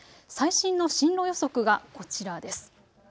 最新の進路予測がこちらです。